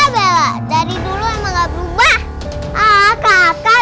bella dari dulu emang gak berubah kakak